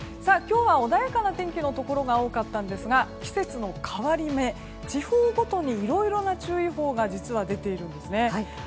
今日は、穏やかな天気のところが多かったんですが季節の変わり目地方ごとにいろいろな注意報が実は出ているんです。